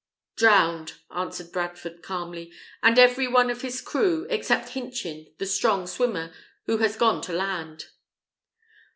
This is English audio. "Drowned!" answered Bradford, calmly, "and every one of his crew, except Hinchin, the strong swimmer, who has got to land."